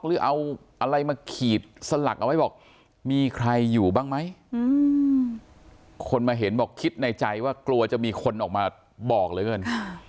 หรือเอาอะไรมาขีดสลักเอาไว้บอกมีใครอยู่บ้างไหมคนมาเห็นบอกคิดในใจว่ากลัวจะมีคนออกมาบอกเหลือเกิน